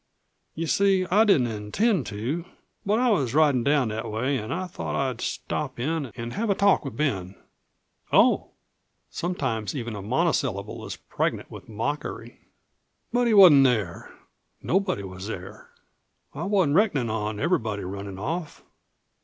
You see, I didn't intend to, but I was ridin' down that way an' I thought I'd stop in an' have a talk with Ben." "Oh!" Sometimes even a monosyllable is pregnant with mockery. "But he wasn't there. Nobody was there. I wasn't reckonin' on everybody runnin' off."